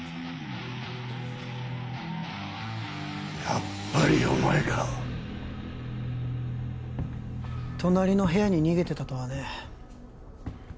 やっぱりお前か隣の部屋に逃げてたとはね